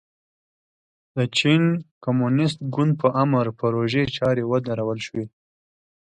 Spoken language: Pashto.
د چین کمونېست ګوند په امر پروژې چارې ودرول شوې.